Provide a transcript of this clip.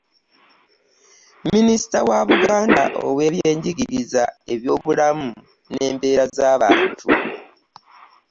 Minisita wa Buganda ow'ebyenjigiriza, ebyobulamu n'embeera z'abantu